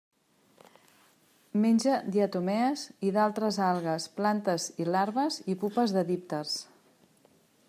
Menja diatomees i d'altres algues, plantes i larves i pupes de dípters.